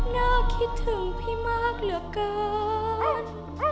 น่าคิดถึงพี่มากเหลือเกิน